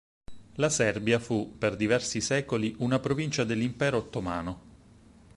La Serbia fu, per diversi secoli, una provincia dell'Impero ottomano.